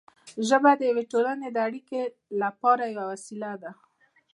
ژبه د یوې ټولنې د وګړو د اړیکو لپاره یوه وسیله ده